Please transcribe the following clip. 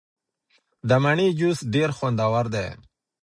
د مڼې جوس ډیر خوندور دی.